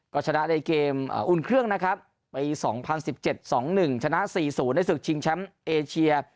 ก็ชนะในเกมอุ่นเครื่องนะครับปี๒๐๑๗๒๑ชนะ๔๐ในศึกชิงแชมป์เอเชีย